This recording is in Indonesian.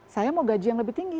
saya mau gaji yang lebih tinggi